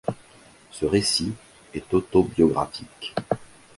Ce récit est autobiographique.